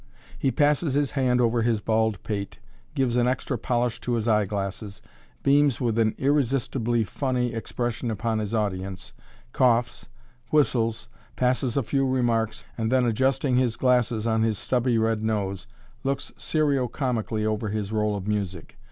He passes his hand over his bald pate gives an extra polish to his eyeglasses beams with an irresistibly funny expression upon his audience coughs whistles passes a few remarks, and then, adjusting his glasses on his stubby red nose, looks serio comically over his roll of music.